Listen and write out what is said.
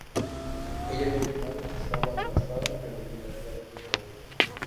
Ella había afirmado que "estaba devastada", pero que "le había dado todo".